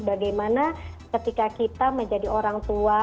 bagaimana ketika kita menjadi orang tua